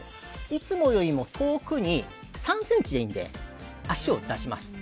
いつもよりも遠くに３ｃｍでいいので足を出します。